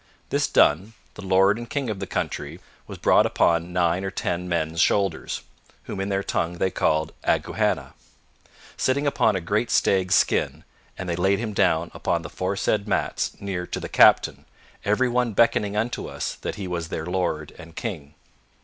This done the lord and king of the country was brought upon nine or ten men's shoulders (whom in their tongue they call Agouhanna), sitting upon a great stag's skin, and they laid him down upon the foresaid mats near to the captain, every one beckoning unto us that he was their lord and king.